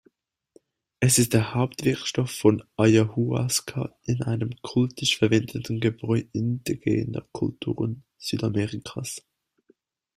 Es ist der Hauptwirkstoff von Ayahuasca, einem kultisch verwendeten Gebräu indigener Kulturen Südamerikas.